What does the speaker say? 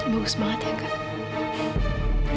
bagus banget ya kak